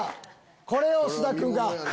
これを菅田君が。